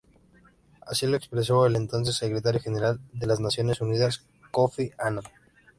Así lo expresó el entonces Secretario General de las Naciones Unidas, Kofi Annan.